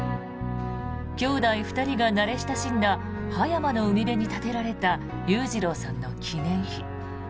兄弟２人がなれ親しんだ葉山の海辺に建てられた裕次郎さんの記念碑。